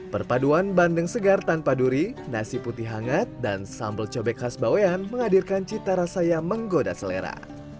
perpaduan bandeng segar tanpa duri nasi putih hangat dan sambal cobek khas bawean menghadirkan cita rasa yang menggoda selera